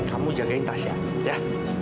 kamu jagain tasya ya